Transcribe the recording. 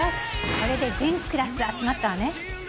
これで全クラス集まったわね。